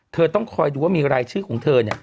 เธอต้องคอยดูว่ามีรายชื่อของเธอเนี่ย